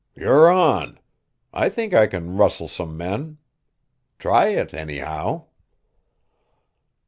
"You're on. I think I can rustle some men. Try it, anyhow."